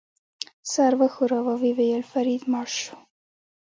سر وښوراوه، ویې ویل: فرید مړ شو.